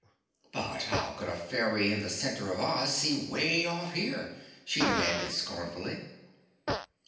"But how could a fairy in the center of Oz see way off here?" she demanded scornfully.